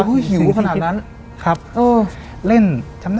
สีขุด